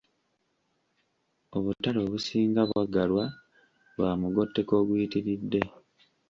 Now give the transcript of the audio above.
Obutale obusinga bwaggalwa lw’amugotteko oguyitiridde.